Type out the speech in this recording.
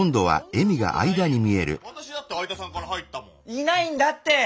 いないんだって！